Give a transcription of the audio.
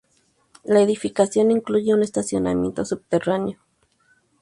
La edificación incluye un estacionamiento subterráneo.